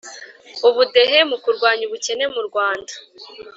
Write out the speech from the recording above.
ubudehe mu kurwanya ubukene mu rwanda